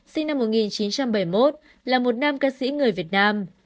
sinh năm một nghìn chín trăm bảy mươi một là một nam ca sĩ người việt nam